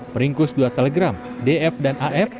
peringkul dua salagram df dan af